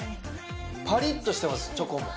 ぱりっとしてます、チョコも。